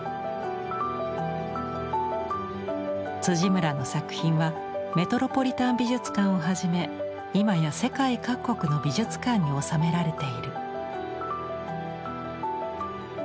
村の作品はメトロポリタン美術館をはじめ今や世界各国の美術館に収められている。